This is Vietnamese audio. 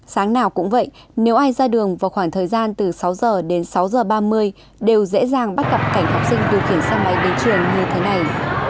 sáng nào cũng vậy nếu ai ra đường vào khoảng thời gian từ sáu h đến sáu h ba mươi đều dễ dàng bắt gặp cảnh học sinh điều khiển xe máy đến trường như thế này